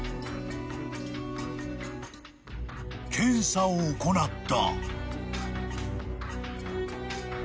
［検査を行った］